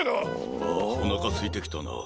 あおなかすいてきたなあ。